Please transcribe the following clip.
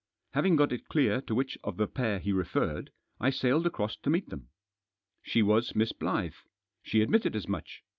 Having got it clear to which of the pair he referred, I sailed across to meet them. She was Miss Blyth. She admitted as much.